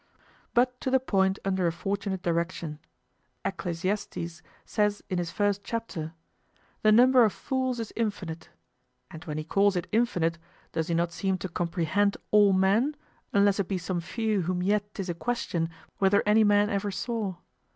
But to the point under a fortunate direction. Ecclesiastes says in his first chapter, "The number of fools is infinite;" and when he calls it infinite, does he not seem to comprehend all men, unless it be some few whom yet 'tis a question whether any man ever saw?